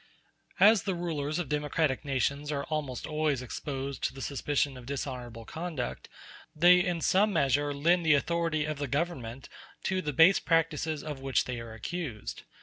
As the rulers of democratic nations are almost always exposed to the suspicion of dishonorable conduct, they in some measure lend the authority of the Government to the base practices of which they are accused.